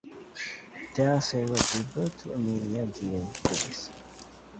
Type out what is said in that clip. There Sarah gave birth to Amelia Gayle Gorgas.